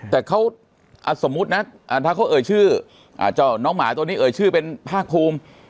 แต่เขาสมมุตินะถ้าเขาเอ่ยชื่อเจ้าน้องหมาตัวนี้เอ่ยชื่อเป็นภาคภูมิ